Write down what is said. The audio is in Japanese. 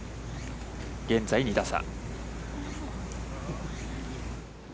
現在、２打差。